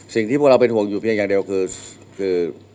สิ่งที่พวกเราเป็นห่วงอยู่เพียงอย่างเดียวคือ